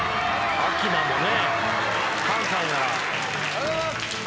ありがとうございます。